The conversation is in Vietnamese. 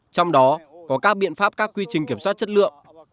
trong đó có các biện pháp các quy trình kiểm soát chất lượng